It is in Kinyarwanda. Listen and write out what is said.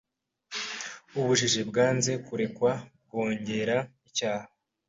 Ubujiji Bwanze Kurekwa Bwongera Icyaha